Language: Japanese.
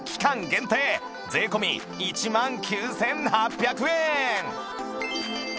限定税込１万９８００円